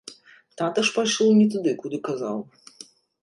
Тата ж пайшоў не туды, куды казаў.